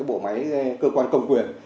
bộ máy cơ quan công quyền